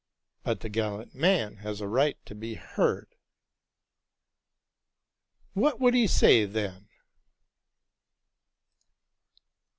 '''¢ But the gallant man has a right to be heard.'' '¢ What would he say, then?